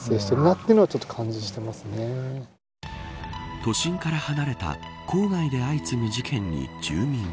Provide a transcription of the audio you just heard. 都心から離れた郊外で相次ぐ事件に住民は。